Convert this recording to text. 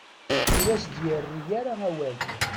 Ur as-d-yerri ara awal.